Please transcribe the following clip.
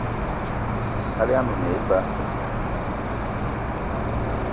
Kaal yama i ne eba